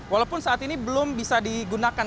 walaupun saat ini belum bisa digunakan